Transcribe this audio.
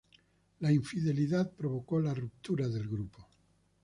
La infidelidad provocó la ruptura del grupo.